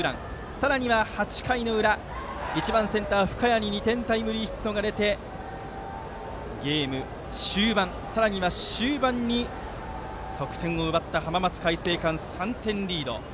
さらには、８回裏１番センター、深谷に２点タイムリーヒットが出てゲーム中盤、終盤に得点を奪った浜松開誠館が３点リード。